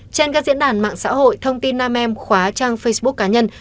trên các diễn đàn mạng xã hội thông tin nam em khóa trang facebook cá nhân